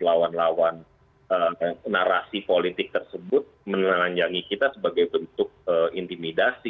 lawan lawan narasi politik tersebut menelanjangi kita sebagai bentuk intimidasi